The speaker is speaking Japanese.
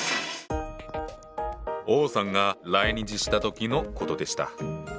王さんが来日した時の事でした。